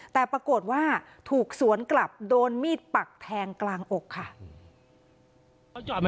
แต่ปรากฏว่าถูกสวนกลับโดนมีดปักแทงกลางอกค่ะ